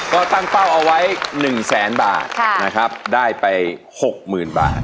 ก็ตั้งเป้าเอาไว้หนึ่งแสนบาทค่ะนะครับได้ไปหกหมื่นบาท